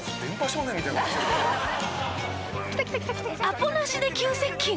アポなしで急接近！